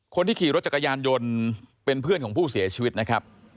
คนที่ขี่รถจักรยานยนต์เป็นเพื่อนของผู้เสียชีวิตนะครับ